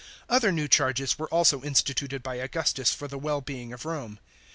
f Other new charges were also instituted by Augustus for the wellbeing of Rome.